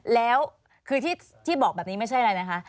แล้วคือที่บอกแบบนี้ไม่ใช่อะไรนะคะ